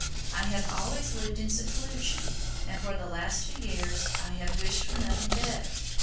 I have always lived in seclusion, and for the last two years I have wished for nothing better.